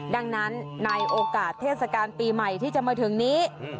ดังนั้นในโอกาสเทศกาลปีใหม่ที่จะมาถึงนี้